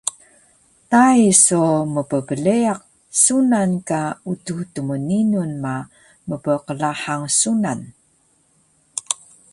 Tai so mpbleyaq sunan ka Utux Tmninun ma mpqlahang sunan